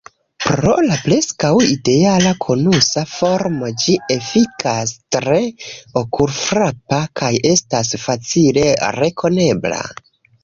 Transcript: Pro la preskaŭ ideala konusa formo ĝi efikas tre okulfrapa kaj estas facile rekonebla.